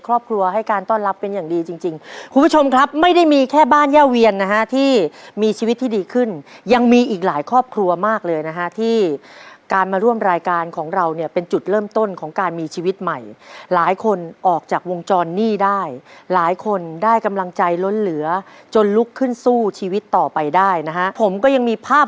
ครอบครัวให้การต้อนรับเป็นอย่างดีจริงจริงคุณผู้ชมครับไม่ได้มีแค่บ้านย่าเวียนนะฮะที่มีชีวิตที่ดีขึ้นยังมีอีกหลายครอบครัวมากเลยนะฮะที่การมาร่วมรายการของเราเนี่ยเป็นจุดเริ่มต้นของการมีชีวิตใหม่หลายคนออกจากวงจรหนี้ได้หลายคนได้กำลังใจล้นเหลือจนลุกขึ้นสู้ชีวิตต่อไปได้นะฮะผมก็ยังมีภาพ